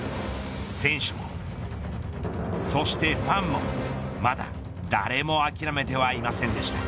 選手もそしてファンもまだ誰も諦めてはいませんでした。